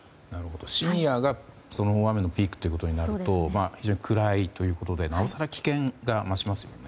深夜が大雨のピークとなると非常に暗いということでなおさら危険が増しますよね。